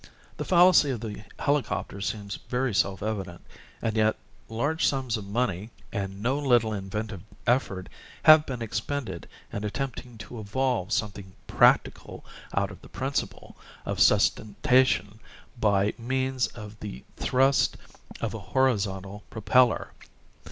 The fallacy of the helicopter seems very self evident, and yet large sums of money and no little inventive effort have been expended in attempting to evolve some thing practical out of the principle of sustentation by means of the thrust of a horizontal propeller.